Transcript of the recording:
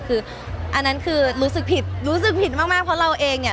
คืออันนั้นคือรู้สึกผิดรู้สึกผิดมากมากเพราะเราเองเนี่ย